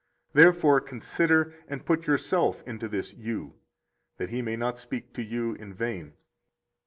Therefore consider, and put yourself into this You, that He may not speak to you in vain.